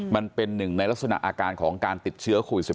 มันเป็นหนึ่งในลักษณะอาการของการติดเชื้อโควิด๑๙